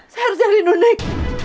saya harus jadi nunik